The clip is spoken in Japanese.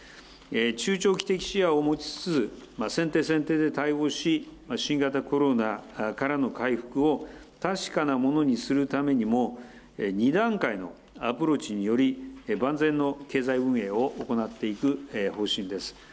中長期的視野を持ちつつ、先手先手で対応し、新型コロナからの回復を確かなものにするためにも、２段階のアプローチにより、万全の経済運営を行っていく方針です。